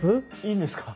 いいんですか？